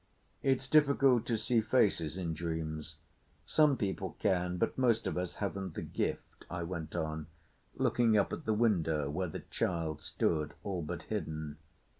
"It's difficult to see faces in dreams. Some people can, but most of us haven't the gift," I went on, looking up at the window where the child stood all but hidden.